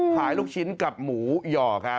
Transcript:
ขายลูกชิ้นกับหมูหย่อก